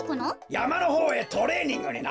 やまのほうへトレーニングにな。